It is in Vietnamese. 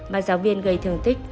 mà giáo viên gây thương tích